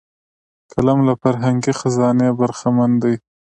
قلم له فرهنګي خزانې برخمن دی